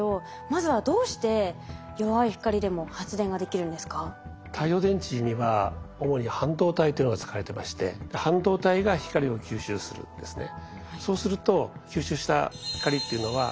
まずは太陽電池には主に半導体というのが使われてまして半導体が光を吸収するんですね。